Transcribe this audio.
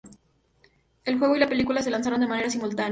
El juego y la película se lanzaron de manera simultánea.